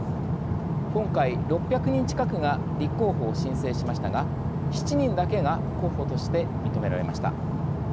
今回、６００人近くが立候補を申請しましたが７人だけが候補として認められました。